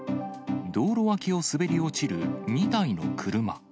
道路脇を滑り落ちる２台の車。